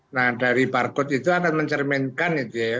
nah dari barcode itu akan mencerminkan itu ya